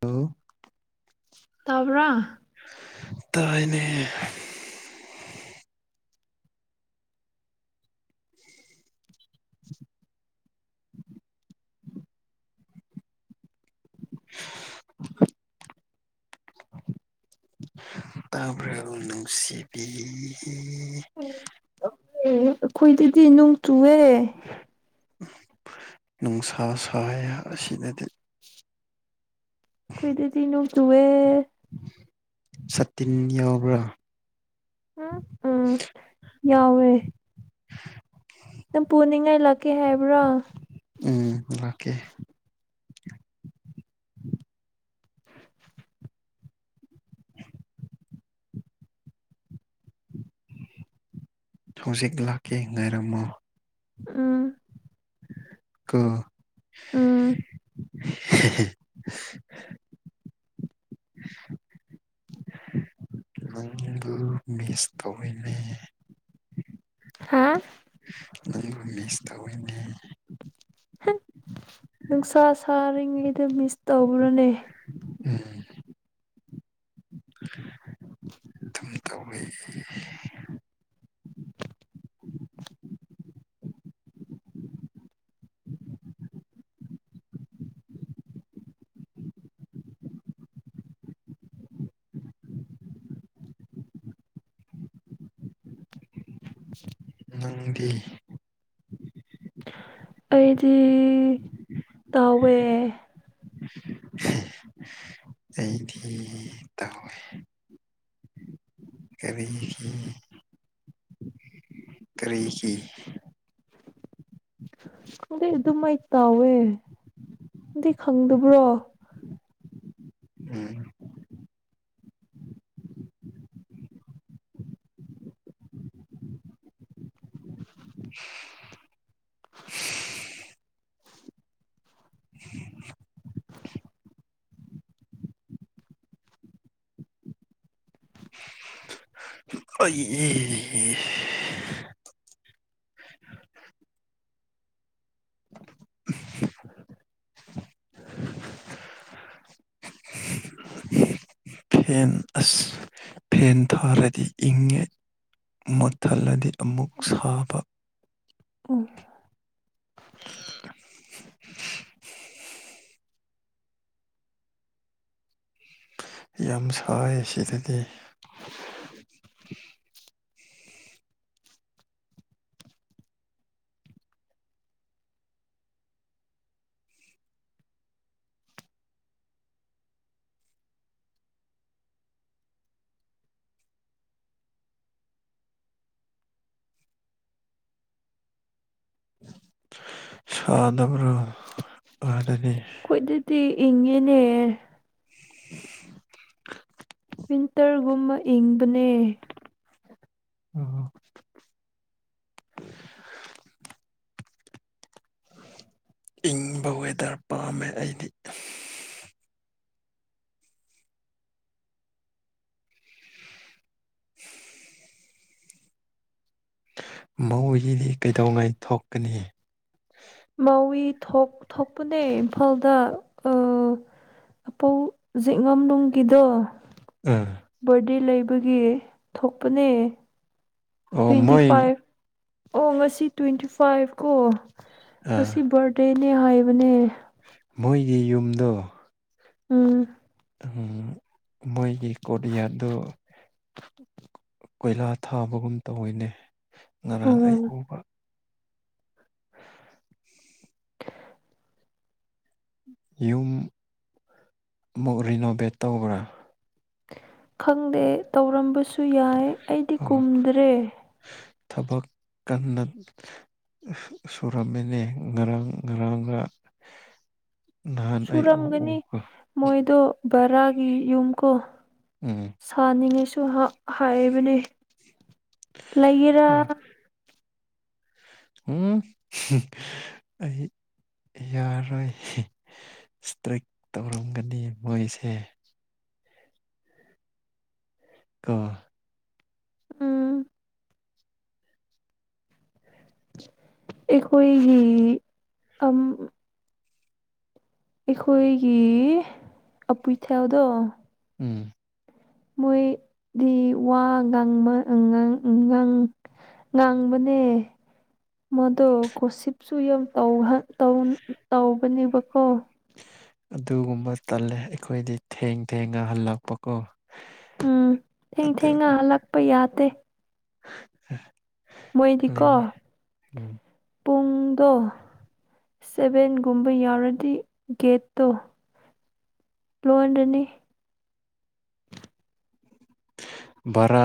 Hello ꯇꯕ꯭ꯔꯥ ꯇꯥꯏꯅꯦ꯫ ꯇꯥꯔ ꯎ ꯑꯩꯈꯣꯏꯗꯗꯤ ꯅꯣꯡ ꯆꯨꯑꯦ ꯨꯡꯁꯥ ꯁꯍꯩ ꯑꯁꯤꯅꯗꯤ ꯀꯣꯏꯗꯗꯤ ꯅꫭꯡ ꯆꯨꯋꯦ꯫ ꯁꯇꯤꯟ ꯌꯥꯎꯕ꯭ꯔꯥ꯫ ꯑꯝ ꯎꯝ ꯌꯥꯋꯦ ꯅꯪ ꯄꯨꯅꯤꯡꯉꯥꯏ ꯂꯥꯛꯀꯦ ꯍꯥꯏꯕ꯭ꯔꯥ ꯎꯝ ꯂꯀꯦ ꯍꯧꯖꯤꯛ ꯂꯥꯛꯀꯦ ꯉꯥꯏꯔꯝꯃꯣ ꯑꯥ ꯀꯥ ꯎꯝ ꯍ ꯁ ꯇꯅꯦ ꯍꯥ ꯇꯅꯤꯡꯒ ꯅꯨꯡꯁꯥ ꯁꯥꯔꯤꯉꯩꯗ ꯃꯤꯁ ꯇꯧꯕ꯭ꯔꯅꯦ ꯎꯝ ꯑꯗꯨꯝ ꯇꯧꯋꯦ [unintelligible] ꯅꯪꯗꯤ ꯑꯩꯗꯤ ꯇꯧꯋꯦ ꯑꯩꯗꯤ ꯇꯧꯋꯦ ꯀꯔꯤꯒꯤ ꯏꯒꯤ ꯑꯗꯨꯗꯩ ꯑꯗꯨꯃꯥꯏ ꯇꯥꯎꯋꯦ ꯑꯗꯨꯗꯤ ꯈꯪꯗꯕ꯭ꯔꯣ ꯎꯝ ꯑꯩ ꯏ ꯏ ꯐꯦꯟ ꯑꯁ ꯐꯦꯟ ꯊꯥꯔꯗꯤ ꯏꯪ ꯈꯜꯂꯗꯤ ꯑꯃꯨꯛ ꯁꯥꯕ ꯑ ꯌꯥꯝ ꯁꯥꯏ ꯁꯤꯗꯗꯤ ꯁꯅꯕ꯭ꯔꯣ ꯑꯗꯨꯅꯤ ꯇꯤ ꯏꯡꯑꯦꯅꯦ꯫ ꯄꯤꯟꯇꯔꯒꯨꯝꯕ ꯏꯪꯕꯅꯦ꯫ ꯏꯪꯕ ꯋꯦꯗꯔ ꯄꯥꯝꯃꯦ ꯑꯩꯗꯤ ꯀꯩꯗꯧꯉꯥꯏ ꯊꯣꯛꯀꯅꯤ ꯃꯥꯋ ꯊꯣꯛꯄꯅꯦ ꯏꯝꯐꯥꯜꯗꯄꯧꯖꯤꯛꯉꯝꯅꯨꯡꯒꯤꯗꯣ ꯑꯥ ꯕꯥꯔꯗꯦ ꯂꯩꯕꯒꯤ ꯊꯣꯛꯄꯅꯦ ꯑꯣ ꯇ꯭ꯋꯦꯟꯇꯤ ꯃꯣꯏ ꯐꯥꯏꯚ ꯑꯣ ꯉꯁꯤ ꯇ꯭ꯋꯦꯟꯇꯤ ꯐꯥꯏꯚ ꯀꯣ ꯉꯁꯤ ꯑꯥ ꯚꯥꯔꯠ ꯇꯦꯅꯦ ꯍꯥꯏꯕꯅꯦ ꯒꯤ ꯌꯨꯝꯗꯣ ꯎꯝ ꯎꯝ ꯃꯣꯏꯒꯤ ꯀꯣꯠꯔꯤꯌꯥꯔꯗꯨꯣ ꯀꯣꯏꯂꯥ ꯊꯥꯕꯒꯨꯝ ꯇꯧꯏꯅꯦ ꯉꯔꯥꯡ ꯑꯩ ꯎꯝ ꯎꯕ [unintelligible] [inaudible] ꯌꯨꯝ ꯃꯨꯛ ꯔꯤꯅꯣꯚꯦꯠ ꯇꯧꯕ꯭ꯔꯥ ꯈꯪꯗꯦ ꯇꯧꯔꯝꯕꯁꯨ ꯁꯨ ꯌꯥꯏ ꯑꯩꯗꯤ ꯑꯣ ꯀꯨꯝꯗ꯭ꯔꯦ ꯊꯕꯛ ꯀꯟꯅ ꯁꯨꯔꯝꯃꯤꯅꯦ ꯉꯔꯥꯡ ꯉꯔꯥꯡꯒ ꯅꯍꯥꯟ ꯑꯩ ꯎ ꯁꯨꯔꯝꯒꯅꯤ ꯎꯕ ꯃꯣꯏꯗꯣ ꯕꯔꯥꯒꯤ ꯌꯨꯝ ꯀꯣ ꯎꯝ ꯁꯅꯤꯉꯥꯏꯁꯨ ꯆꯨꯍ ꯍꯥꯏꯕꯅꯦ ꯂꯩꯒꯦꯔꯥ ꯑꯥ ꯎꯝ ꯍꯝ ꯑꯩ ꯌꯥꯔꯣꯏ ꯏꯁꯇ꯭ꯔꯛ ꯇꯧꯔꯝꯒꯅꯤ ꯃꯣꯏꯁꯦ ꯀꯣ ꯎꯝ ꯑꯩꯈꯣꯏꯒꯤ ꯑꯝ ꯑꯩꯈꯣꯏꯒꯤ ꯑꯄꯨꯏꯊꯦꯜꯗꯣ ꯎꯝ ꯃꯣꯏ ꯗꯤ ꯋꯥ ꯉꯥꯡꯕ ꯉꯥꯡ ꯉꯪ ꯉꯥꯡꯕꯅꯦ ꯃꯥꯗꯣ ꯀꯣꯁꯤꯞꯁꯨ ꯌꯥꯝ ꯇꯧꯍ ꯇꯧꯟ ꯇꯧꯕꯅꯦꯕ ꯍꯣ ꯑꯗꯨꯒꯨꯝꯕ ꯇꯜꯂꯦ ꯑꯩꯈꯣꯏꯗꯤ ꯊꯦꯡ ꯊꯦꯡꯉꯥ ꯍꯜꯂꯛꯄꯀꯣ ꯎꯝ ꯊꯦꯡ ꯊꯦꯡ ꯉ ꯍꯜꯂꯛꯄ ꯌꯥꯇꯦ [unintelligible] [inaudible] ꯂꯩꯅꯦ ꯎꯝ ꯄꯨꯡꯗꯣ ꯁꯚꯦꯟꯒꯨꯝꯕ ꯌꯥꯎꯔꯗꯤ ꯒꯦꯠꯇꯣ ꯂꯣꯟꯔꯅꯤ ꯚꯔꯥ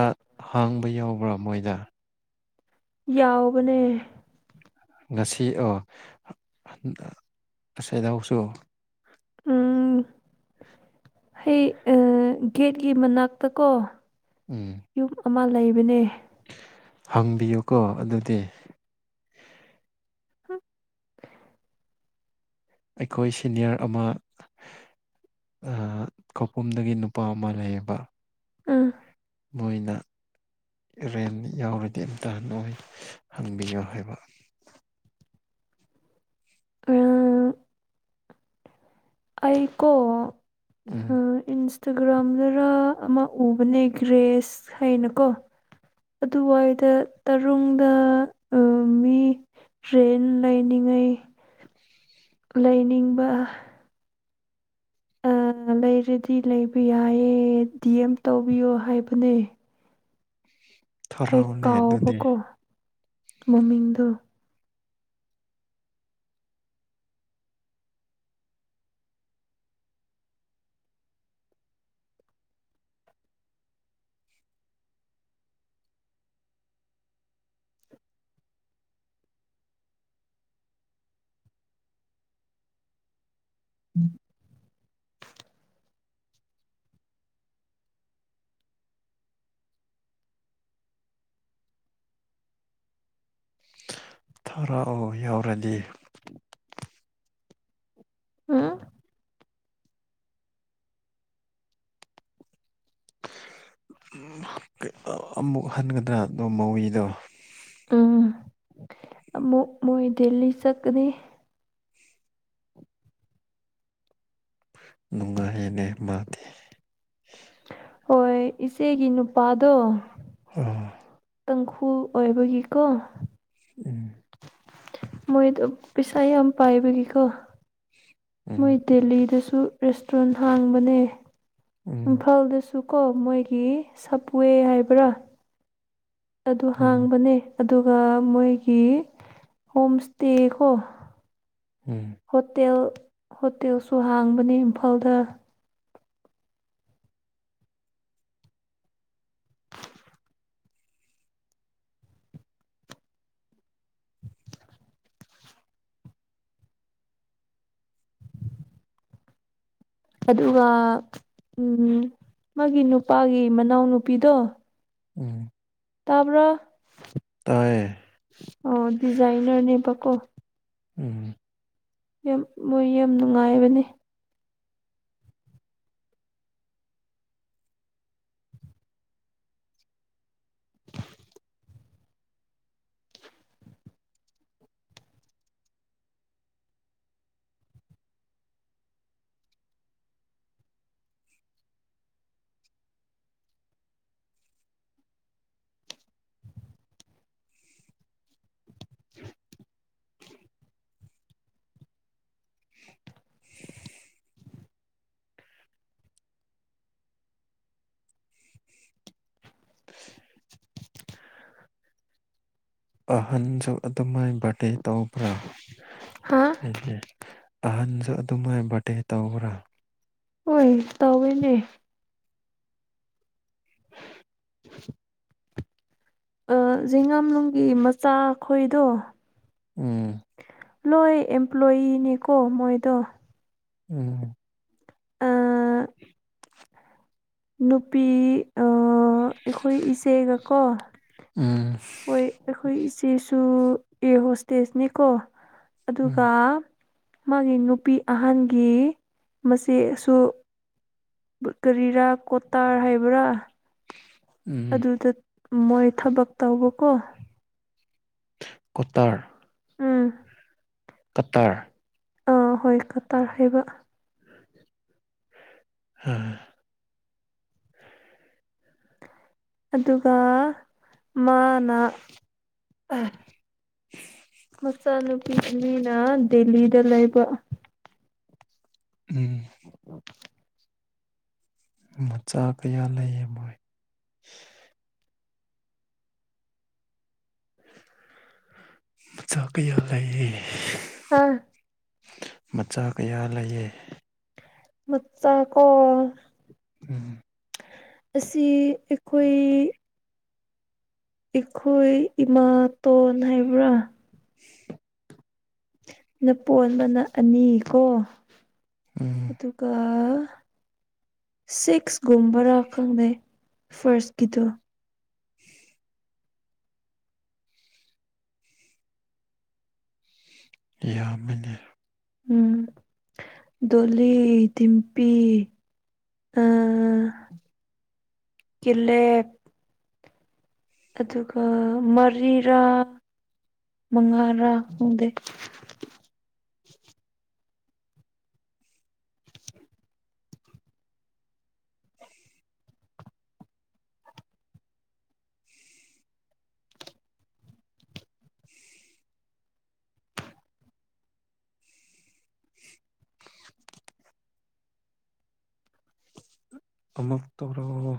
ꯍꯥꯡꯕ ꯌꯥꯎꯕ꯭ꯔꯥ ꯃꯣꯏꯗ ꯌꯥꯎꯕꯅꯦ ꯉꯁꯤ ꯑꯣ ꯉꯁꯥꯏꯗꯧꯁꯨ ꯎꯝ ꯍꯩ ꯑ ꯒꯦꯠꯀꯤ ꯃꯅꯥꯛꯇ ꯀꯣ ꯎꯝ ꯌꯨꯝ ꯑꯃ ꯂꯩꯕꯅꯦ ꯍꯪꯕꯤꯌꯨꯀꯣ ꯑꯗꯨꯗꯤ ꯑꯩꯈꯣꯏ ꯁꯤꯅꯤꯌꯔ ꯑꯃ ꯀꯥꯎꯄꯨꯝꯗꯒꯤ ꯅꯨꯄꯥ ꯑꯃ ꯂꯩꯌꯦꯕ ꯎꯪ ꯃꯣꯏꯅ ꯔꯦꯟ ꯌꯥꯎꯔꯗꯤ ꯑꯝꯇ ꯅꯣꯏ ꯍꯪꯕꯤꯌꯨ ꯍꯥꯏꯕ ꯑꯩꯀꯣ ꯎꯝ ꯑ ꯏꯟꯁ ꯇꯒ꯭ꯔꯥꯝꯗꯔ ꯑꯃ ꯎꯕꯅꯦ ꯒ꯭ꯔꯦꯁ ꯍꯥꯏꯅꯀꯣ ꯑꯗꯨꯋꯥꯏꯗ ꯇꯔꯨꯡꯗ ꯑꯥ ꯃꯤ ꯐ꯭ꯔꯦꯟ ꯂꯩꯅꯤꯡꯉꯩ [inaudible] ꯂꯩꯅꯤꯡꯕ ꯑ ꯂꯩꯔꯗꯤ ꯂꯩꯕ ꯌꯥꯏꯌꯦ ꯗꯤ ꯑꯦꯝ ꯇꯧꯕꯤꯌꯣ ꯍꯥꯏꯕꯅꯦ ꯑꯩꯥ ꯊꯥꯔꯛꯑꯣꯅꯦ ꯑꯗꯨꯗꯤ ꯀꯥꯎꯕꯀꯣ ꯃꯃꯤꯡꯗ ꯊꯥꯔꯛ ꯑꯣ ꯌꯥꯎꯔꯗꯤ [unintelligible] ꯀꯩ ꯑ ꯑꯃꯨꯛ ꯍꯟꯒꯗ꯭ꯔꯥ ꯑꯗꯣ ꯃꯧꯋꯤꯗꯣ ꯎꯝ ꯑꯃꯨꯛ ꯃꯣꯏ ꯗꯦꯂꯤ ꯆꯠꯀꯅꯤ ꯅꯨꯡꯉꯍꯦꯅꯦ ꯃꯥꯥꯗꯤ ꯍꯣꯏ ꯏꯆꯦꯒꯤ ꯅꯨꯄꯥꯗꯣ ꯎꯝ ꯀꯪꯈꯨ ꯑꯣꯏꯕꯒꯤꯀꯣ ꯎꯝ ꯃꯣꯏꯗꯣ ꯄꯩꯁꯥ ꯌꯥꯝ ꯄꯥꯏꯕꯒꯤꯀꯣ ꯎꯝ ꯃꯣꯏ ꯗꯦꯂꯤꯗꯁꯨ ꯁꯨ ꯔꯦꯁꯇꯨꯔꯦꯟꯠ ꯍꯥꯡꯕꯅꯦ ꯎꯝ ꯏꯝꯐꯥꯜꯗꯁꯨ ꯁꯨꯀꯣ ꯃꯣꯏꯒꯤ ꯁꯞꯋꯦ ꯍꯥꯏꯕ꯭ꯔꯥ ꯑꯗꯨ ꯎꯝ ꯍꯥꯡꯕꯅꯦ ꯑꯗꯨꯒ ꯃꯣꯏꯒꯤ ꯍꯣꯝ ꯁ꯭ꯇꯦꯀꯣ ꯎꯝ ꯍꯣꯇꯦꯜ ꯍꯣꯇꯦꯜꯁꯨ ꯍꯥꯡꯕꯅꯦ ꯏꯝꯐꯥꯜꯗ ꯑꯗꯨꯒ ꯎꯝ ꯃꯥꯒꯤ ꯅꯨꯄꯥꯒꯤ ꯃꯅꯥꯎ ꯅꯨꯨꯄꯤꯗꯣ ꯎꯝ ꯇꯥꯕ꯭ꯔ ꯇꯥꯏꯌꯦ ꯑꯣ ꯗꯤꯖꯥꯏꯟꯅꯔ ꯅꯦꯕꯀꯣ ꯎꯝ ꯌꯥꯝ ꯃꯣꯏ ꯌꯥꯝ ꯅꯨꯡꯉꯥꯏꯕꯅꯤ ꯑꯍꯟꯁꯨ ꯑꯗꯨꯃꯥꯏ ꯕꯥꯔꯠꯗꯦ ꯇꯧꯕ꯭ꯔꯥ ꯍꯥ [unintelligible] ꯑꯍꯟꯁꯨ ꯑꯗꯨꯃꯥꯏ ꯕꯥꯔꯠꯗꯦ ꯇꯧꯕꯔꯥ ꯍꯣꯏ ꯇꯧꯋꯦꯅꯦ ꯑꯥ ꯖꯤꯉꯥꯝꯂꯨꯡꯒꯤ ꯃꯆꯥ ꯈꯣꯏꯗꯣ ꯎꯝ ꯂꯣꯏ ꯑꯦꯝꯄ꯭ꯂꯣꯏꯌꯤꯅꯦꯀꯣ ꯃꯣꯏꯗꯣ ꯎꯝ ꯑ ꯅꯨꯄꯤ ꯑ ꯑꯩꯈꯣꯏ ꯏꯆꯦꯒꯀꯣ ꯎꯝ ꯍꯣꯏ ꯑꯩꯈꯣꯏ ꯏꯆꯦꯁꯨ ꯏꯌꯔꯍꯣꯁꯇꯦꯁꯅꯤꯀꯣ ꯎꯝ ꯑꯗꯨꯒ ꯃꯥꯒꯤ ꯅꯨꯄꯤ ꯑꯍꯟꯒꯤ ꯃꯆꯦꯁꯨ ꯀꯔꯤꯔꯥ ꯀꯣꯇꯔ ꯍꯥꯏꯕ꯭ꯔꯥ ꯎꯝ ꯑꯗꯨꯗ ꯃꯣꯏ ꯊꯕꯛ ꯇꯧꯕꯀꯣ ꯀꯣꯠꯇꯔ ꯎꯝ ꯀꯠꯇꯔ ꯑꯥ ꯍꯣꯏ ꯀꯇꯥꯔ ꯍꯥꯏꯕ ꯍꯍꯥ ꯑꯗꯨꯒ ꯃꯥꯅ ꯃꯆꯥꯅꯨꯄꯤ ꯃꯤꯅ ꯗꯦꯜꯂꯤꯗ ꯂꯩꯕ ꯎꯝ ꯃꯆꯥ ꯀꯌꯥ ꯂꯩꯌꯦ ꯃꯣꯏ ꯃꯆꯥꯥꯀꯤꯌꯥ ꯂꯩꯌꯦ ꯑꯥ ꯃꯆꯥ ꯀꯌꯥ ꯂꯩꯌꯦ ꯃꯆꯥ ꯀꯣ ꯎꯝ ꯑꯁꯤ ꯑꯩꯈꯣꯏ ꯏꯈꯣꯏ ꯏꯛ ꯃꯇꯇꯣꯟ ꯍꯥꯏꯕ꯭ꯔꯥ ꯅꯄꯣꯟꯕꯅ ꯑꯅꯤ ꯀꯣ ꯎꯝ ꯑꯗꯨꯒ ꯁꯤꯛꯁ ꯒꯨꯝꯕꯔꯥ ꯈꯡꯗꯦ ꯐꯔꯁꯀꯤꯗꯣ ꯌꯥꯝꯕꯅꯦ ꯎꯝ ꯗꯣꯜꯂꯤ ꯊꯤꯝ ꯑ ꯀꯤꯂꯦꯞ ꯑꯗꯨꯒ ꯃꯔꯤꯔꯥ ꯃꯉꯥꯔꯥ ꯍꯣꯡꯗꯦ ꯑꯃꯨꯛ ꯇꯧꯔꯛꯑꯣ